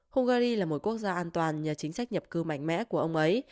hungary là một quốc gia an toàn nhờ chính sách nhập cư mạnh mẽ của ông ấy